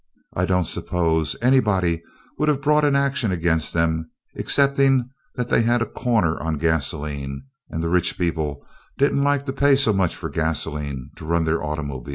I don't suppose anybody would have brought an action against them, excepting that they had a corner on gasoline and the rich people didn't like to pay so much for gasoline to run their automobiles.